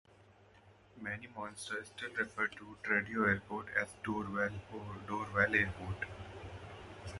Many Montrealers still refer to Trudeau airport as "Dorval," or "Dorval Airport.